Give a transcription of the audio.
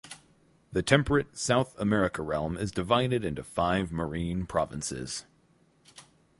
The Temperate South America realm is divided into five marine provinces.